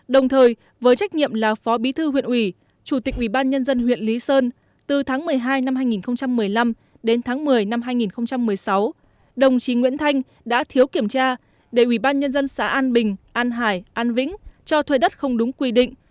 đồng thời với trách nhiệm là phó bí thư huyện ủy chủ tịch ủy ban nhân dân huyện lý sơn từ tháng một mươi hai năm hai nghìn một mươi năm đến tháng một mươi năm hai nghìn một mươi sáu đồng chí nguyễn thanh đã thiếu kiểm tra để ủy ban nhân dân xã an bình an hải an vĩnh cho thuê đất không đúng quy định